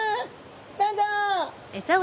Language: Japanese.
どうぞ！